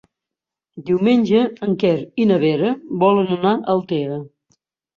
Diumenge en Quer i na Vera volen anar a Altea.